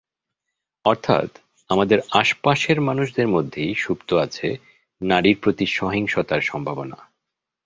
অর্থাৎ, আমাদের আশপাশের মানুষদের মধ্যেই সুপ্ত আছে নারীর প্রতি সহিংসতার সম্ভাবনা।